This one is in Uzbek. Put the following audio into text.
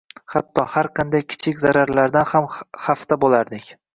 Hatto, har qanday kichik zararlardan ham xavfda bo`lardik